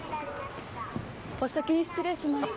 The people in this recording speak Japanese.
お先に失礼します。